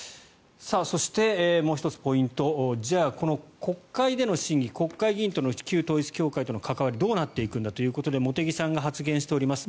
そして、もう１つポイントじゃあ国会での審議国会議員と旧統一教会との関わりどうなっていくんだということで茂木さんが発言をしております。